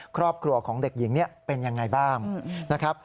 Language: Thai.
ครอบครัวของเด็กหญิงเป็นอย่างไรบ้าง